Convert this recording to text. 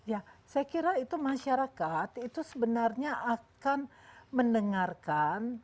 ya saya kira itu masyarakat itu sebenarnya akan mendengarkan